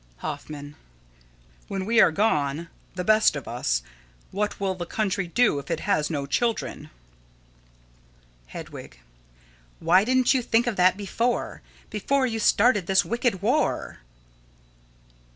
Hoffman: When we are gone, the best of us, what will the country do if it has no children? Hedwig: Why didn't you think of that before before you started this wicked war?